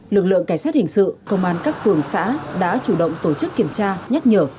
lực lượng cảnh sát hình sự công an các phường xã đã chủ động tổ chức kiểm tra nhắc nhở